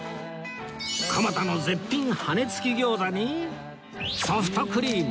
蒲田の絶品羽根付き餃子にソフトクリーム